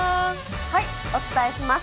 お伝えします。